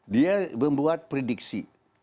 dia membuat prediksi